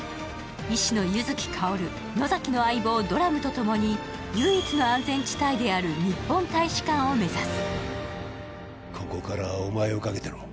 医師の柚木薫、野崎の相棒・ドラムと一緒に唯一の安全地帯である日本大使館を目指す。